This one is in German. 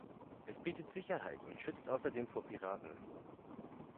Es bietet Sicherheit und schützt außerdem vor Piraten.